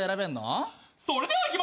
それではいきましょう！